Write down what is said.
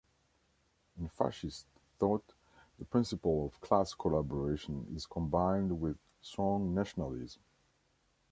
In fascist thought, the principle of class collaboration is combined with strong nationalism.